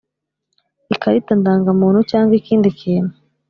Ikarita ndangamuntu cyangwa ikindi kintu